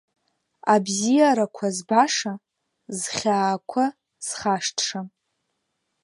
Абзиарақәа збаша, зхьаақәа зхашҭша!